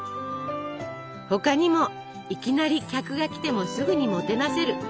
他にも「いきなり」客が来てもすぐにもてなせる。